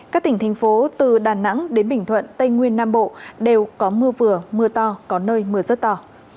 các tỉnh thành phố từ đà nẵng đến bình thuận tây nguyên nam bộ đều có mưa vừa mưa to có nơi mưa rất to